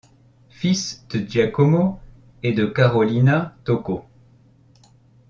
Fils de Giacomo et de Carolina Tocco.